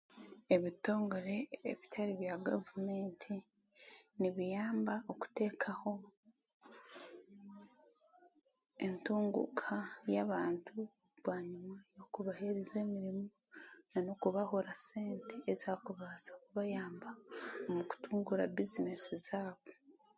ebitongore ebitari bya gavumenti nibiyamba okuteekaho entunguuka y'abantu n'ikubahereza emirimo nanokubahora sente ezaakubaasa kubayamba omu kutunguura bizinesi zaabo